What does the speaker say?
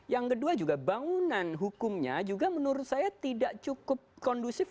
yang kedua juga bangunan hukumnya juga menurut saya tidak cukup kondusif